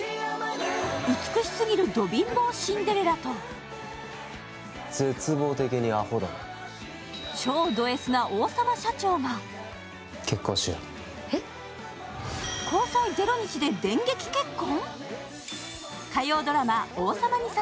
美しすぎるド貧乏シンデレラと超ドＳな王様社長が交際０日で電撃結婚？？